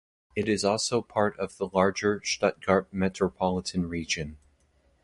It is also part of the larger Stuttgart Metropolitan Region.